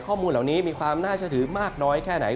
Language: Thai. ข้อมูลเหล่านี้มีความน่าเชื่อถือมากน้อยแค่ไหน